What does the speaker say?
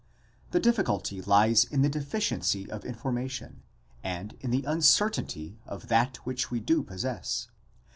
* The difficulty lies in the deficiency of information, and in the uncertainty of that which we do possess.